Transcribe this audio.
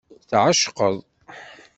Tɛecqeḍ.